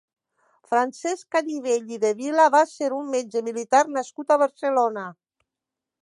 Francesc Canivell i de Vila va ser un metge militar nascut a Barcelona.